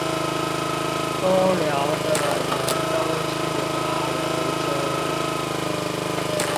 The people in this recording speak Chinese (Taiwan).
工寮的人都去划龍舟了